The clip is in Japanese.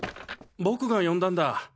僕が呼んだんだ。